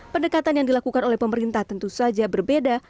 pendekatan yang dilakukan oleh pemerintah tentu saja berbeda